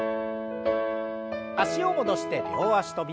脚を戻して両脚跳び。